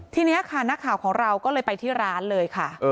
ทีนี้ค่ะนักข่าวของเราก็เลยไปที่ร้านเลยค่ะ